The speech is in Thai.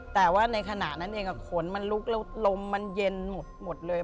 แต่ว่าในขณะนั้นเองขนมันลุกแล้วลมมันเย็นหมดเลย